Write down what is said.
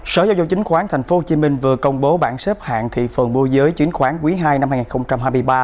sở giao dân chính khoán tp hcm vừa công bố bản xếp hạn thị phần mua giới chính khoán quý ii năm hai nghìn hai mươi ba